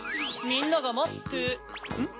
みんながまってん？